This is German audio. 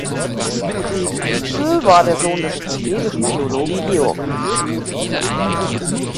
Siegfried Rietschel war der Sohn des evangelischen Theologen Georg Rietschel.